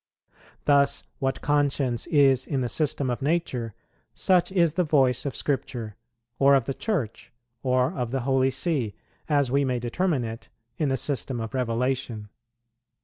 Thus, what conscience is in the system of nature, such is the voice of Scripture, or of the Church, or of the Holy See, as we may determine it, in the system of Revelation.